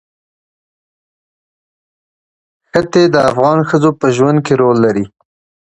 ښتې د افغان ښځو په ژوند کې رول لري.